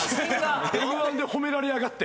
Ｍ−１で褒められやがって！